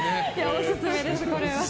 オススメです、これは。